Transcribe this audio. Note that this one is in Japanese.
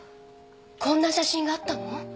こんな写真があったの？